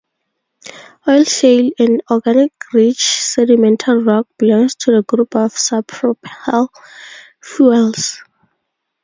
Oil shale, an organic-rich sedimentary rock, belongs to the group of sapropel fuels.